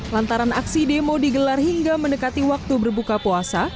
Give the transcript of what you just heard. lantaran aksi demo digelar hingga mendekati waktu berbuka puasa